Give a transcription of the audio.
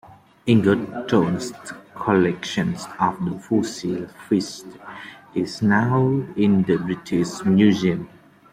Egerton's collection of fossil fishes is now in the British Museum.